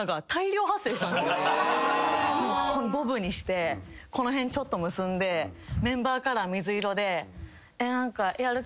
ボブにしてこの辺ちょっと結んでメンバーカラー水色で。